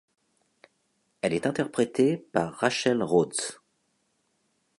Elle est interprétée par Rachel Rhodes.